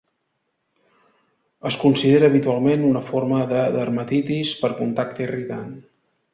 És considera habitualment una forma de dermatitis per contacte irritant.